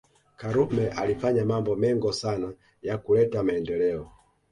karume alifanya mambo mengo sana ya kuleta maendeleo